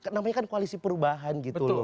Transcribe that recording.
namanya kan koalisi perubahan